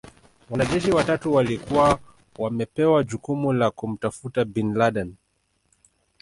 Wanajeshi watatu walikuwa wamepewa jukumu la kumtafuta Bin Laden